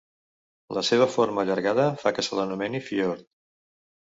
La seva forma allargada fa que se l'anomeni fiord.